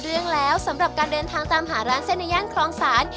เรื่องแล้วสำหรับการเดินทางตามหาร้านเส้นในย่านครองศาล